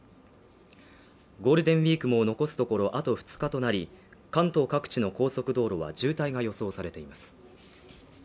ゴールデンウィークも残すところあと２日となり、関東各地の高速道路は渋滞が予想されています